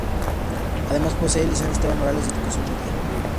Además, posee el liceo Esteban Morales de educación media.